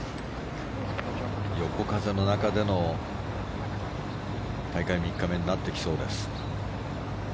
横風の中での大会３日目になってきそうです。